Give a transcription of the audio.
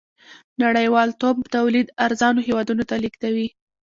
نړۍوالتوب تولید ارزانو هېوادونو ته لېږدوي.